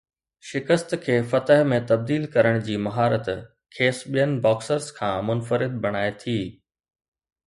شڪست کي فتح ۾ تبديل ڪرڻ جي مهارت کيس ٻين باڪسرز کان منفرد بڻائي ٿي.